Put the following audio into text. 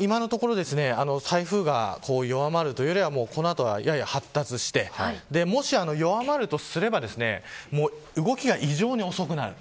今のところ台風が弱まるというよりはやや発達してもし弱まるとすれば動きが異常に遅くなる。